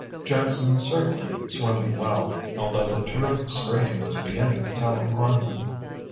Jackson was certainly swimming well, although the terrific strain was beginning to tell upon him.